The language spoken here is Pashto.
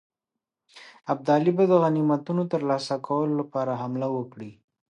ابدالي به د غنیمتونو ترلاسه کولو لپاره حمله وکړي.